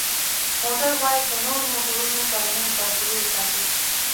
موټر باید د نورو موټرونو ترمنځ فاصلې وساتي.